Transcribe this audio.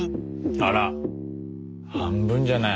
あら半分じゃない。